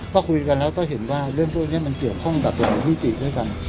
ก็คุยกันแล้วก็เห็นว่าเรื่องพวกนี้มันเกี่ยวข้องกับหลายมิติด้วยกัน